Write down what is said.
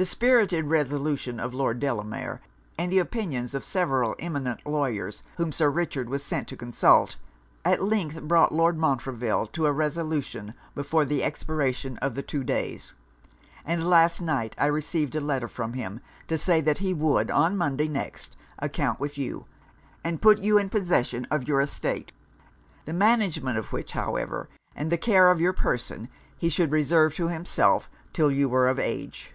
This spirited resolution of Lord Delamere, and the opinions of several eminent lawyers whom Sir Richard was sent to consult, at length brought Lord Montreville to a resolution before the expiration of the two days; and last night I received a letter from him, to say that he would, on Monday next, account with you, and put you in possession of your estate; the management of which, however, and the care of your person, he should reserve to himself 'till you were of age.'